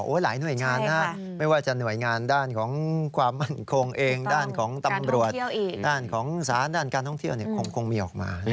หลายหน่วยงานนะไม่ว่าจะหน่วยงานด้านของความมั่นคงเองด้านของตำรวจด้านของสารด้านการท่องเที่ยวคงมีออกมา